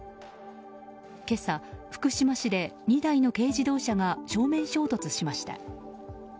今朝、福島市で２台の軽自動車が正面衝突しました。